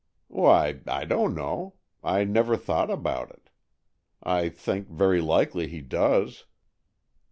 "Why, I don't know; I never thought about it. I think very likely he does."